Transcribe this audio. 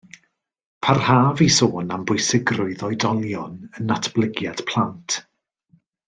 Parhaf i sôn am bwysigrwydd oedolion yn natblygiad plant